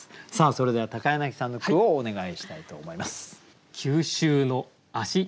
それでは柳さんの句をお願いしたいと思います。